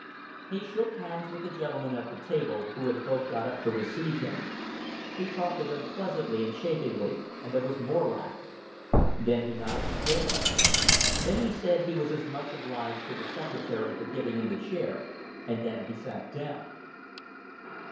He shook hands with the gentlemen at the table, who had both got up to receive him; he talked to them pleasantly and chaffingly, and there was more laughter; then he nodded to Dale; then he said he was much obliged to the secretary for giving him the chair, and then he sat down.